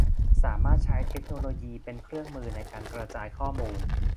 สามารถใช้เทคโนโลยีเป็นเครื่องมือในการกระจายข้อมูล